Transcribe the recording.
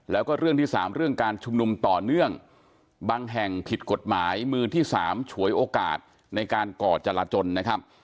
แล้วก็เรื่องที่สามเรื่องการชุมนุมต่อเนื่องบางแห่งผิดกฎหมายมือที่สามฉวยโอกาสในการก่อจราจนนะครับ